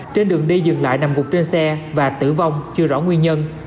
trên đường đi dừng lại nằm gục trên xe và tử vong chưa rõ nguyên nhân